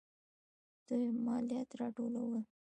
دویم: مالیات راټولول.